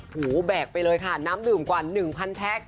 หูแบกไปเลยค่ะน้ำดื่มกว่า๑๐๐แพ็ค